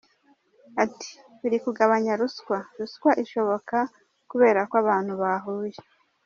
Ati “Biri kugabanya ruswa, ruswa ishoboka kubera ko abantu bahuye.